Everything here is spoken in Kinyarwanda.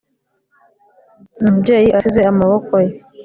Umubyeyi asize amaboko ye